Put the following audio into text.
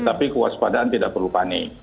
tapi kewaspadaan tidak perlu panik